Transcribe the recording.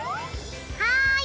はい！